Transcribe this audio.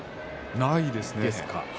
ないですね。